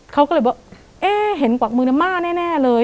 เขาก็เลยบอกเอ๊ะเห็นกวักมือน้ำม่าแน่เลย